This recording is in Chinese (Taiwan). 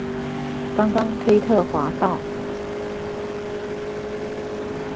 剛剛推特滑到